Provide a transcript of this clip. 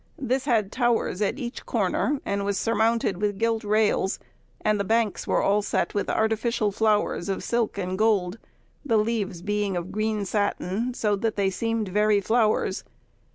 This had towers at each corner, and was surmounted with gilt rails, and the banks were all set with artificial flowers of silk and gold, the leaves being of green satin, "so that they seemed very flowers."